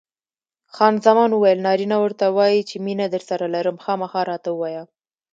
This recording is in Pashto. خان زمان وویل: نارینه ورته وایي چې مینه درسره لرم؟ خامخا راته ووایه.